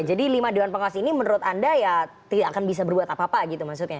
lima dewan pengawas ini menurut anda ya tidak akan bisa berbuat apa apa gitu maksudnya